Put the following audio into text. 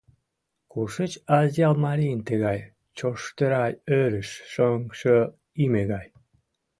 Кушеч Азъял марийын тыгай чоштыра ӧрыш, шоҥшо име гай?